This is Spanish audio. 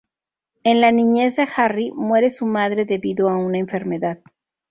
En la niñez de Harry muere su madre debido a una enfermedad.